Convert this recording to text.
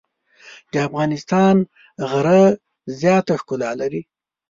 د افغانستان غره زیاته ښکلا لري.